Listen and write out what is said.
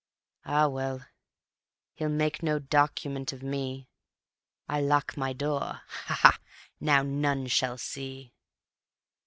Ah well! He'll make no "document" of me. I lock my door. Ha! ha! Now none shall see.